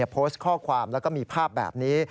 โพสต์ข้อความแล้วก็มีภาพแบบนี้